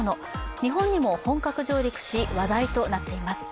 日本にも本格上陸し話題となっています。